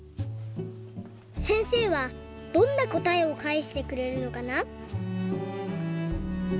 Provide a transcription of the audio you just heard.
せんせいはどんなこたえをかえしてくれるのかな？